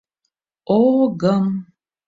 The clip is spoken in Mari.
— О... огым...